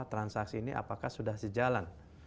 transaksi ini apakah sudah sejalan